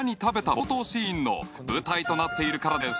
冒頭シーンの舞台となっているからです。